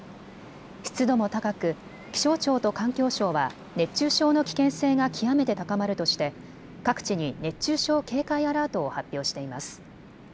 湿度も高く気象庁と環境省は熱中症の危険性が極めて高まるとして各地に熱中症警戒アラートを発表しています。